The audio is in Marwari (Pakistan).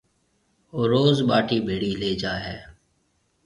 او زور ٻاٽِي ڀيڙِي لي جائي هيَ۔